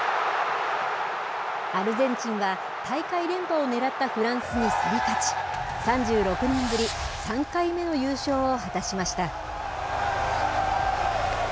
アルゼンチンが、大会連覇を狙ったフランスに競り勝ち、３６年ぶり３回目の優勝を果たしました。